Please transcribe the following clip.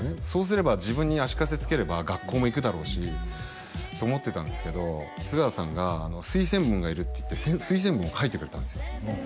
そうすれば自分に足かせつければ学校も行くだろうしと思ってたんですけど津川さんが推薦文がいるっていって推薦文を書いてくれたんですよ